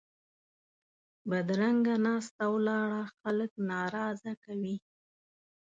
بدرنګه ناسته ولاړه خلک ناراضه کوي